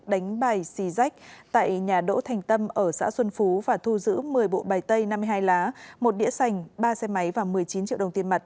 đánh bài xì rách tại nhà đỗ thành tâm ở xã xuân phú và thu giữ một mươi bộ bài tay năm mươi hai lá một đĩa sành ba xe máy và một mươi chín triệu đồng tiền mặt